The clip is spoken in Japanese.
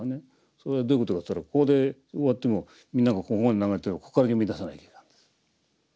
それはどういうことかっていったらここで終わってもみんながここまで流れてるからこっから読みださなきゃいかんです。